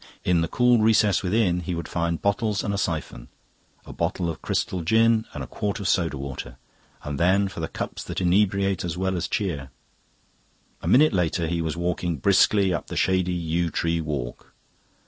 In the cool recess within he would find bottles and a siphon; a bottle of crystal gin and a quart of soda water, and then for the cups that inebriate as well as cheer... A minute later he was walking briskly up the shady yew tree walk.